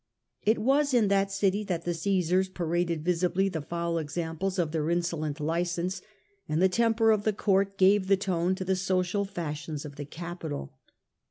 It was in that city that the Caesars paraded visibly the foul examples of their insolent license, and the temper of the court gave the tone to the social fashions of the capital.